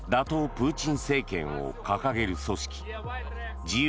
プーチン政権を掲げる組織自由